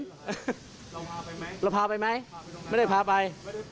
เราพาไปไหมเราพาไปไหมไม่ได้พาไป